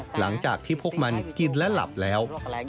หลังจากที่พวกมันกินและหลับแล้ว